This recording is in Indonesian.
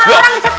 orang di steam